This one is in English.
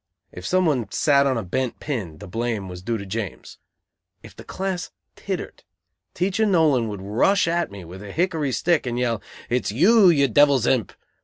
If some one sat on a bent pin, the blame was due to James. If the class tittered teacher Nolan would rush at me with a hickory stick and yell: "It's you, you devil's imp!"